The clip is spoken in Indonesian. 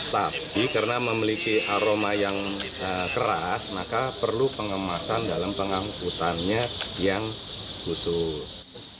tapi karena memiliki aroma yang keras maka perlu pengemasan dalam pengangkutannya yang khusus